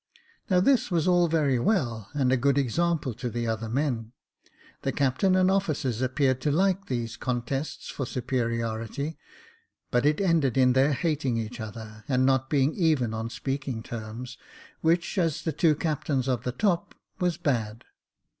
Now, this was all very well, and a good example to the other men : the captain and officers appeared to like these contests for superiority, but it ended in their hating each other, and not being even on speaking terms, which, as the two captains of the top, was bad.